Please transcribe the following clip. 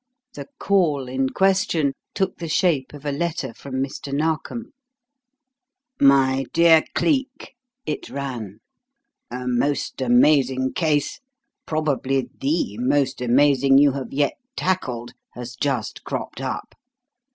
The "call" in question took the shape of a letter from Mr. Narkom. "My dear Cleek," it ran, "a most amazing case probably the most amazing you have yet tackled has just cropped up.